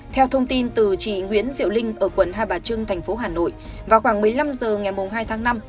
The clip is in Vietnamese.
theo thông tin từ chị nguyễn diệu linh ở quận hai bà trưng thành phố hà nội vào khoảng một mươi năm h ngày hai tháng năm